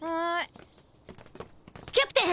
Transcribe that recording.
キャプテン！